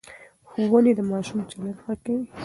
ښوونې د ماشوم چلند ښه کوي.